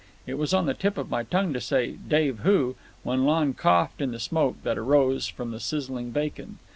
It was on the tip of my tongue to say "Dave who?" when Lon coughed in the smoke that arose from the sizzling bacon.